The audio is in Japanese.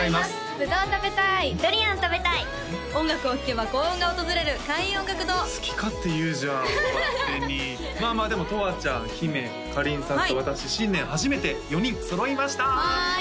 ブドウ食べたいドリアン食べたい音楽を聴けば幸運が訪れる開運音楽堂好き勝手言うじゃん勝手にまあまあでもとわちゃん姫かりんさんと私新年初めて４人揃いましたわい